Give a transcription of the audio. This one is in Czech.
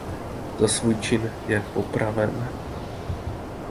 Za svůj čin je popraven.